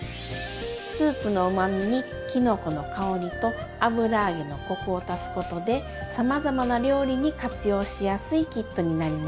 スープのうまみにきのこの香りと油揚げのコクを足すことでさまざまな料理に活用しやすいキットになります。